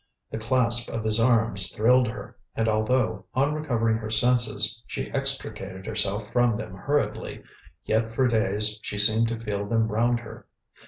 The clasp of his arms thrilled her, and although, on recovering her senses, she extricated herself from them hurriedly, yet for days she seemed to feel them round her.